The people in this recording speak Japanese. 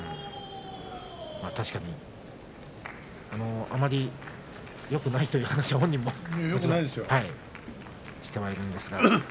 確かに、あまりよくないという話をよくないですよ。